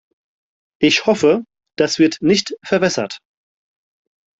Ich hoffe, das wird nicht verwässert.